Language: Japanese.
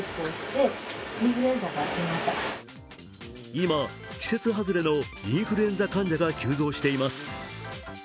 今、季節はずれのインフルエンザ患者が急増しています。